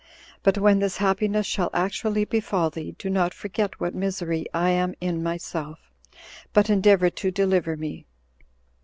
But when this happiness shall actually befall thee, do not forget what misery I am in myself, but endeavor to deliver me."